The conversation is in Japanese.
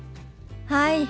はい。